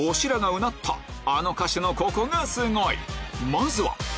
まずは